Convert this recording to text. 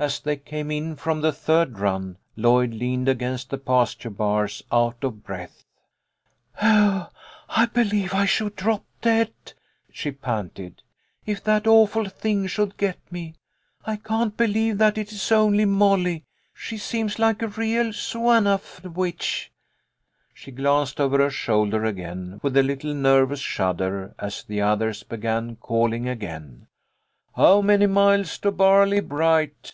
As they came in from the third 58 THE LITTLE COLONEL'S HOLIDAYS. run, Lloyd leaned against the pasture bars, out of breath. "Oh, I believe I should drop dead," she panted, " if that awful thing should get me. I can't believe that it is only Molly. She seems like a real suah 'nuff witch." She glanced over her shoulder again with a little nervous shudder as the others began calling again : "How many miles to Bar ley bright?"